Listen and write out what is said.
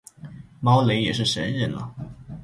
猫雷也是神人了